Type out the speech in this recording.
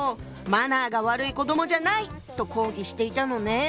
「マナーが悪い子どもじゃない！」と抗議していたのね。